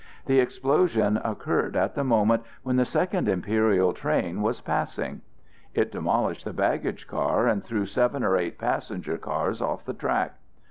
The explosion occurred at the moment when the second imperial train was passing. It demolished the baggage car and threw seven or eight passenger cars off the track.